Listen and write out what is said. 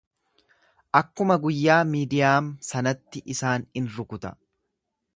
Akkuma guyyaa Miidiyaam sanatti isaan in rukuta.